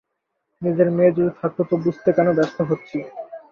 নিজের মেয়ে যদি থাকত তো বুঝতে কেন ব্যস্ত হচ্ছি।